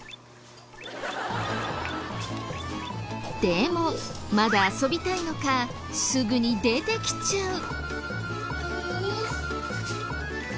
でもまだ遊びたいのかすぐに出てきちゃう。